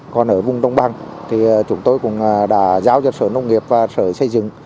còn ở vùng đông bằng thì chúng tôi cũng đã giao cho sở nông nghiệp và sở xây dựng